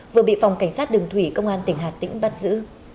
vừa bị phòng cảnh sát đường thủy công an tỉnh hà tĩnh bắt giữ